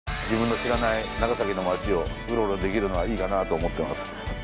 自分の知らない長崎の町をうろうろできるのはいいかなぁと思ってます。